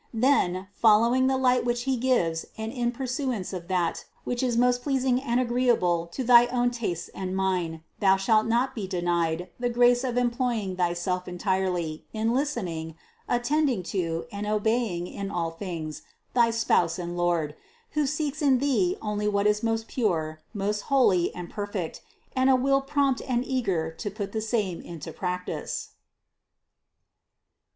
Then, following the light which He gives and in pursuance of that which is most pleasing and agreeable to thy own tastes and mine, thou shalt not be denied the grace of employing thyself entirely in listening, attending to and obeying in all things thy Spouse and Lord, who seeks in thee only what is most pure, most holy and per fect, and a will prompt and eager to put the same into practice.